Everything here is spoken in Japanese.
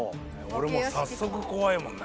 俺も早速怖いもんね。